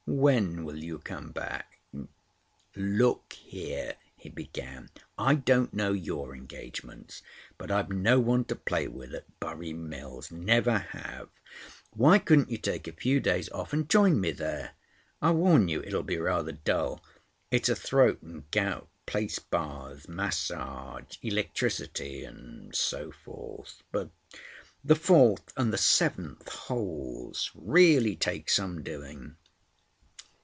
When will you come back?" "Look here," he began. "I don't know, your engagements, but I've no one to play with at Burry Mills. Never have. Why couldn't you take a few days off and join me there? I warn you it will be rather dull. It's a throat and gout place—baths, massage, electricity, and so forth. But the fourth and the seventh holes really take some doing."